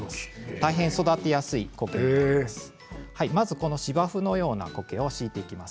大変育てやすいこけになります。